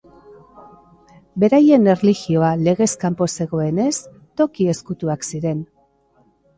Beraien erlijioa legez kanpo zegoenen, toki ezkutuak ziren.